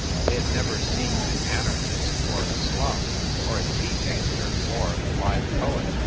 They had never seen an anarchist or a slum, or a tea taster or a live poet.